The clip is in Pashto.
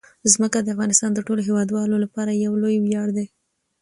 ځمکه د افغانستان د ټولو هیوادوالو لپاره یو لوی ویاړ دی.